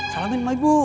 salamin sama ibu